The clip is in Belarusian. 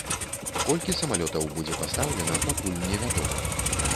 Колькі самалётаў будзе пастаўлена, пакуль невядома.